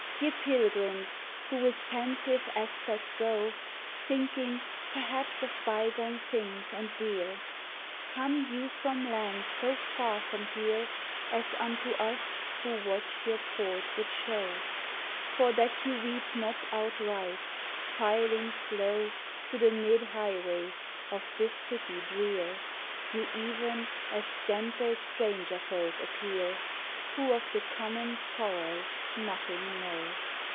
_' YE pilgrims, who with pensive aspect go Thinking, perhaps, of bygone things and dear, Come you from lands so very far from here As unto us who watch your port would show? For that you weep not outright, filing slow Thro' the mid highway of this city drear, You even as gentle stranger folk appear, Who of the common sorrow nothing know!